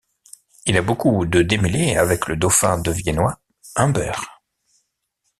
Il a beaucoup de démêlés avec le dauphin de Viennois, Humbert.